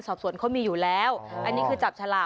กำกับดูแลพวกพุทธพวกเรา